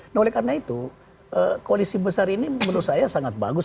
nah oleh karena itu koalisi besar ini menurut saya sangat bagus